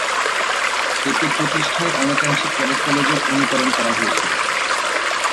এটি প্রতিষ্ঠায় অনেকাংশে ক্যাডেট কলেজের অনুকরণ করা হয়েছিল।